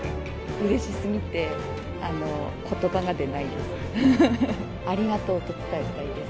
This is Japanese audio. うれしすぎて、ことばが出ないです。